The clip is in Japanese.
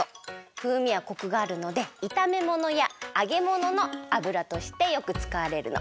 ふうみやコクがあるのでいためものやあげものの油としてよくつかわれるの。